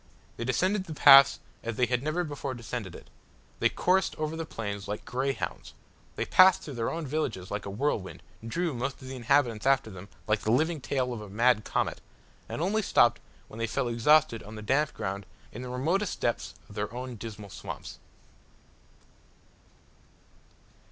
They descended the pass as they had never before descended it; they coursed over the plains like grey hounds; they passed through their own villages like a whirlwind; drew most of the inhabitants after them like the living tail of a mad comet, and only stopped when they fell exhausted on the damp ground in the remotest depths of their own dismal swamps.